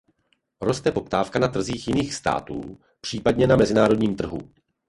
Roste poptávka na trzích jiných států případně na mezinárodním trhu.